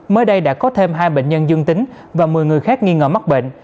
mới đây đã có thêm hai bệnh nhân dương tính và một mươi người khác nghi ngờ mắc bệnh